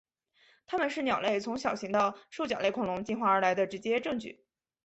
它们是鸟类从小型的兽脚类恐龙进化而来的直接证据。